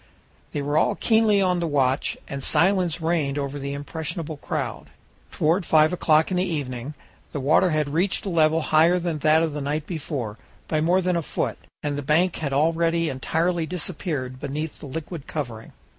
They were all keenly on the watch, and silence reigned over the impressionable crowd. Toward five o'clock in the evening the water had reached a level higher than that of the night before by more than a foot and the bank had already entirely disappeared beneath the liquid covering.